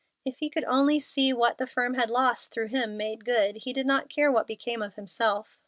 If he could only see what the firm had lost through him made good, he did not care what became of himself.